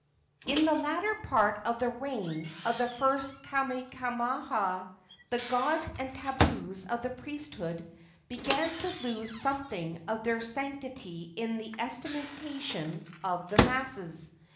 In the latter part of the reign of the first Kamehameha the gods and tabus of the priesthood began to lose something of their sanctity in the estimation of the masses.